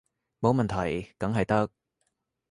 冇問題，梗係得